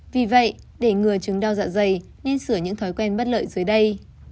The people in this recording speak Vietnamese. vì vậy để ngừa chứng đau dạ dày nên sửa những thói quen bất lợi dưới đây